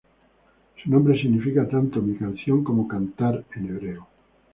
Su nombre significa tanto "mi canción" como "cantar" en hebreo.